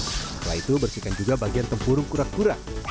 setelah itu bersihkan juga bagian tempurung kura kura